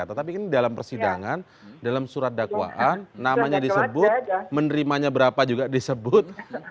tetapi ini dalam persidangan dalam surat dakwaan namanya disebut menerimanya berapa juga disebut